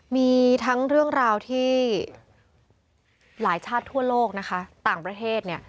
มีทั้งเรื่องราวที่หลายชาติทั่วโลกนะคะต่างประเทศเนี่ย